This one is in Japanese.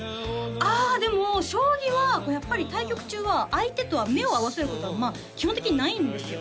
あでも将棋は対局中は相手とは目を合わせることはまあ基本的にないんですよ